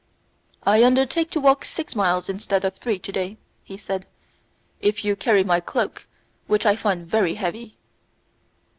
"I undertake to walk six miles, instead of three, today," he said, "if you will carry my cloak, which I find very heavy."